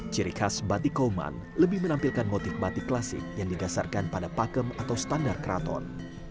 ciri khas batik kauman lebih menampilkan motif batik klasik yang digasarkan pada pakem atau standar keraton